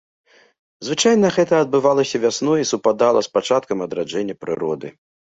Звычайна гэта адбывалася вясной і супадала з пачаткам адраджэння прыроды.